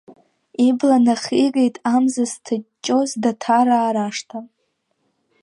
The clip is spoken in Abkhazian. Ибла нахигеит амза зҭаҷҷоз Даҭараа рашҭа.